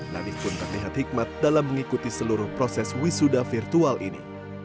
nabi pun terlihat hikmat dalam mengikuti seluruh proses wisuda virtual ini